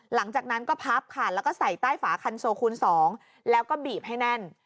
หลังจากนั้นก็พับค่ะแล้วก็ใส่ใต้ฝาคันโซคูณ๒แล้วก็บีบให้แน่น